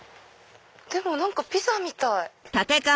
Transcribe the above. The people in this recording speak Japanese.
でも何かピザみたい。